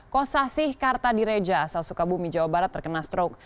kosasih kartadireja asal sukabumi jawa barat terkena strok